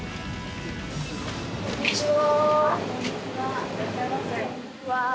こんにちは。